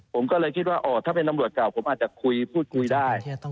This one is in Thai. ผมก็เลยคิดว่าถ้าเป็นตำรวจเก่าผมอาจจะคุยพูดคุยได้